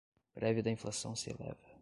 Prévia da inflação se eleva